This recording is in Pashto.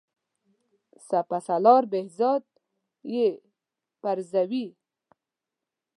سپه سالار بهزاد یې پرزوي.